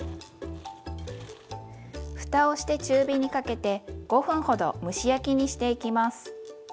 ふたをして中火にかけて５分ほど蒸し焼きにしていきます。